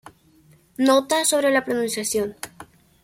Nota sobre la pronunciación.